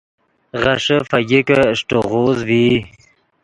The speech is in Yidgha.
غیݰے فگیکے اݰٹے غوز ڤئی